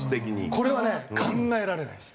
これはね考えられないです。